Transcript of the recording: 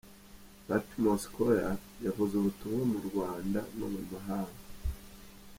Patmos Choir yavuze ubutumwa mu Rwanda no mu mahanga’.